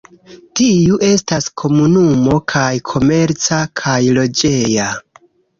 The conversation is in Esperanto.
Tiu estas komunumo kaj komerca kaj loĝeja.